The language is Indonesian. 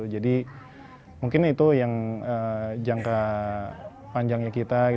jadi mungkin itu yang jangka panjangnya kita